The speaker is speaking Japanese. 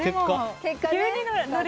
結果。